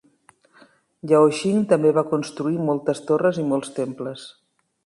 Yao Xing també va construir moltes torres i molts temples.